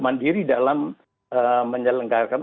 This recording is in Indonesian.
mandiri dalam menyalenggarkan